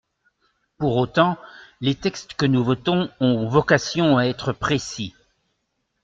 Pour autant, les textes que nous votons ont vocation à être précis.